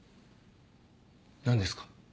何ですか？